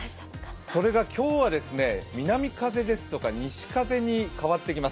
それが今日は南風ですとか西風に変わってきます。